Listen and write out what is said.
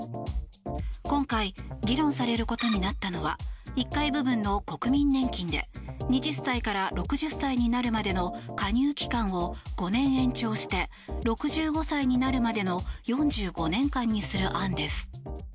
今回議論されることになったのは１階部分の国民年金で２０歳から６０歳になるまでの加入期間を５年延長して６５歳になるまでの４５年間にする案です。